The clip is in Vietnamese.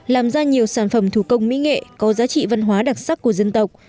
làm ra nhiều sản phẩm thủ công mỹ nghệ có giá trị văn hóa đặc sắc của dân tộc